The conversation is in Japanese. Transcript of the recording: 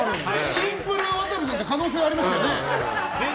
シンプル渡部さんっていう可能性はありましたね。